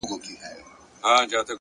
صبر د لویو موخو ملګری پاتې کېږي,